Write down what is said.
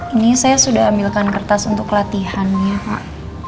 ini saya sudah ambilkan kertas untuk latihannya pak